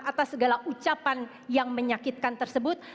atas segala ucapan yang menyakitkan tersebut